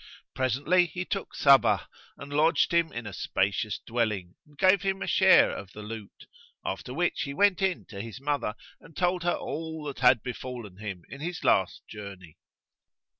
Presently he took Sabbah and lodged him in a spacious dwelling and gave him a share of the loot; after which he went in to his mother and told her all that had befallen him in his last journey.